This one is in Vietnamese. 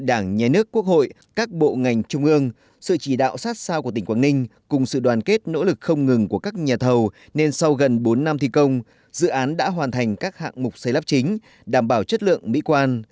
đảng nhà nước quốc hội các bộ ngành trung ương sự chỉ đạo sát sao của tỉnh quảng ninh cùng sự đoàn kết nỗ lực không ngừng của các nhà thầu nên sau gần bốn năm thi công dự án đã hoàn thành các hạng mục xây lắp chính đảm bảo chất lượng mỹ quan